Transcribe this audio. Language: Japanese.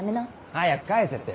早く返せって。